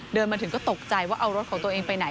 เดินมาถึงก็ตกใจว่าเอารถของตัวเองไปไหน